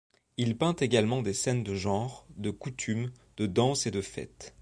Il peint également des scènes de genre, de coutumes, de danse et de fêtes.